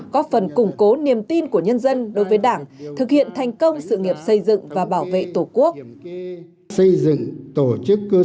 có phần củng cố niềm tin của nhân dân đối với đảng thực hiện thành công sự nghiệp xây dựng và bảo vệ tổ quốc